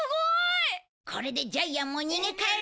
これでジャイアンも逃げ帰るはずだ。